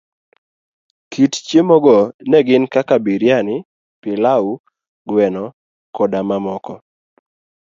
Kit chiemo go ne gin kaka biriani, pilau, gweno koda mamoko.